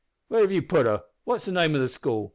`Where have you put her? What's the name of the school?